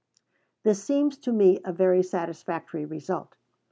This seems to me a very satisfactory result....